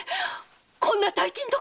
こんな大金どこで？